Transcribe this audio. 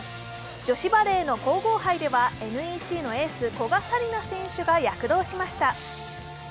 女子バレーの皇后杯ではＮＥＣのエース、古賀紗理那選手が躍動しました。